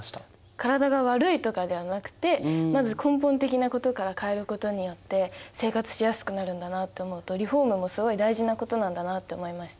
体が悪いとかではなくてまず根本的なことから変えることによって生活しやすくなるんだなって思うとリフォームもすごい大事なことなんだなって思いました。